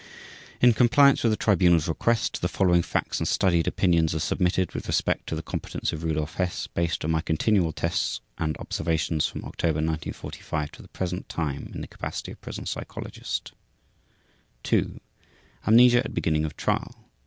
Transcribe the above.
In compliance with the Tribunal's request, the following facts and studied opinions are submitted with respect to the competence of Rudolf Hess, based on my continual tests and observations from October 1945 to the present time, in the capacity of prison psychologist: 2. _Amnesia at beginning of trial.